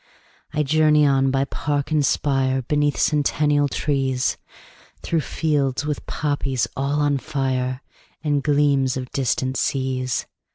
20 I journey on by park and spire, Beneath centennial trees, Through fields with poppies all on fire, And gleams of distant seas.